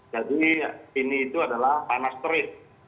jadi ini itu adalah panas terik